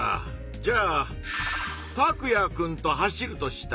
じゃあタクヤくんと走るとしたら？